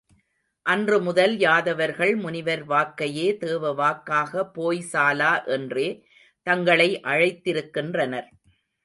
அன்று முதல் யாதவர்கள் முனிவர் வாக்கையே தேவவாக்காக போய் சாலா என்றே தங்களை அழைத்திருக்கின்றனர்.